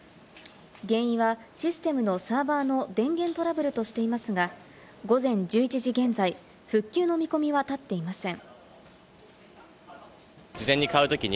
原因はシステムのサーバーの電源トラブルとしていますが、午前１１時現在、復旧の見込みは立っていません。